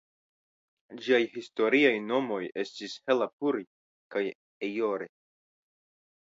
Ĝiaj historiaj nomoj estis "Helapuri" kaj "Ellore".